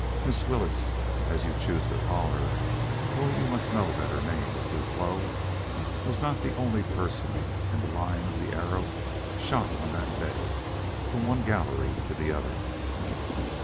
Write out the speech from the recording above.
Miss Willetts, as you choose to call her, though you must know that her name is Duclos, was not the only person in the line of the arrow shot on that day from one gallery to the other.